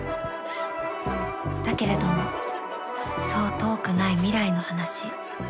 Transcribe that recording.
だけれどもそう遠くない未来の話。